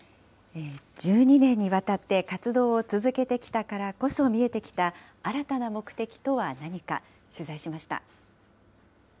１２年にわたって活動を続けてきたからこそ見えてきた、新たな目的とは何か、取材しました。